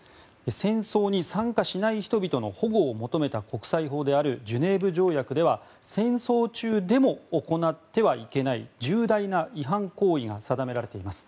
戦争に参加しない人々の保護を求めた国際法であるジュネーブ条約では戦争中でも行ってはいけない重大な違反行為が定められています。